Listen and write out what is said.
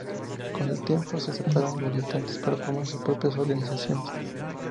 Con el tiempo se separan militantes para formar sus propias organizaciones.